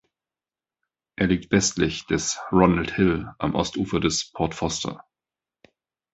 Er liegt westlich des Ronald Hill am Ostufer des Port Foster.